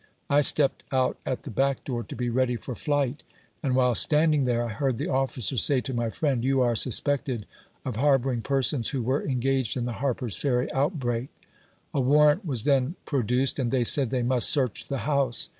I stepped out at the back door to be ready for flight, and while standing there, I heard the oflicer say to my friend, " You are suspected of harboring persons who were engaged in the Harper's Ferry outbreak." A warrant was then pro duced, and they .said they must search the house.